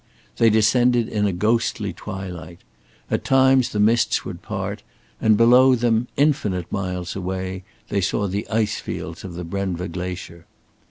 They descended in a ghostly twilight. At times the mists would part, and below them infinite miles away they saw the ice fields of the Brenva glacier.